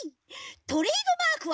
トレードマークは。